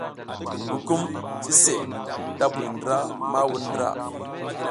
Gukum sise da buy ndra ma wuɗ ndra.